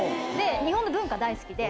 日本の文化大好きで。